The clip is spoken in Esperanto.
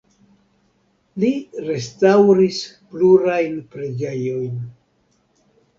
Li restaŭris plurajn preĝejojn.